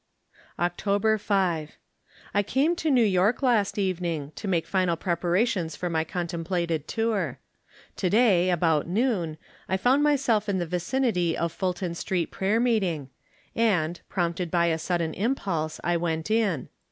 Octoher 5. — I came to New York last evening, to make final preparations for my contemplated tour. To day, about noon, I found myself in the vicinity of Fulton Street prayer meeting, and, prompted by a sudden impulse, I went in.